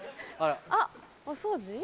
あっお掃除？